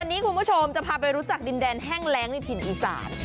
วันนี้คุณผู้ชมจะพาไปรู้จักดินแดนแห้งแรงในถิ่นอีสาน